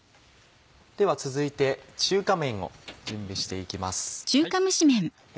では続いて中華めんを準備して行きます。